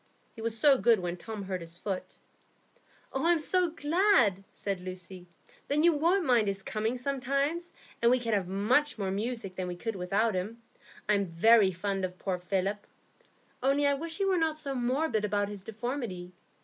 He was so good when Tom hurt his foot." "Oh, I'm so glad!" said Lucy. "Then you won't mind his coming sometimes, and we can have much more music than we could without him. I'm very fond of poor Philip, only I wish he were not so morbid about his deformity.